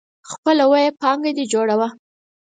خپله ويي پانګه دي جوړوه.